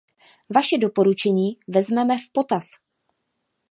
Vaše doporučení vezmeme v potaz.